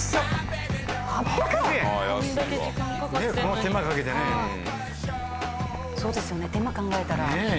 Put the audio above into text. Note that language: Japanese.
この手間かけてねそうですよね手間考えたらねえ